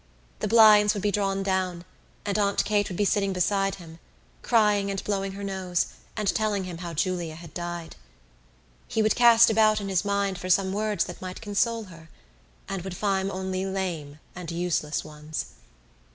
The blinds would be drawn down and Aunt Kate would be sitting beside him, crying and blowing her nose and telling him how Julia had died. He would cast about in his mind for some words that might console her, and would find only lame and useless ones.